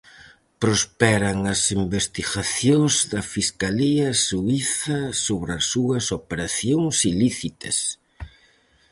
Prosperan as investigacións da fiscalía suíza sobre as súas operacións ilícitas.